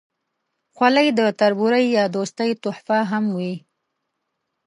خولۍ د تربورۍ یا دوستۍ تحفه هم وي.